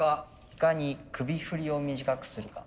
いかに首振りを短くするか。